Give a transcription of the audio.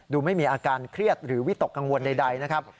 ไม่มีอาการเครียดหรือวิตกกังวลใดนะครับ